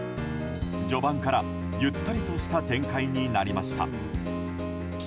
序盤から、ゆったりとした展開になりました。